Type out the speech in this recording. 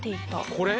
これ？